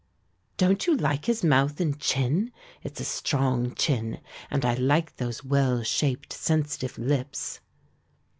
"Don't you like his mouth and chin? It's a strong chin and I like those well shaped sensitive lips."